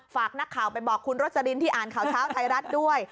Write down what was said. ฝากนักข่าวไปบอกคุณรสลินที่อ่านข่าวเช้าไทยรัฐด้วย